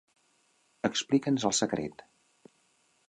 Explica'ns el secret.